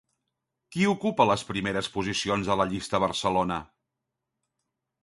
Qui ocupa les primeres posicions a la llista a Barcelona?